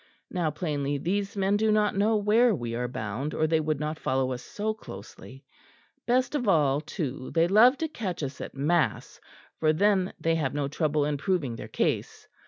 Now plainly these men do not know where we are bound, or they would not follow us so closely. Best of all, too, they love to catch us at mass for then they have no trouble in proving their case.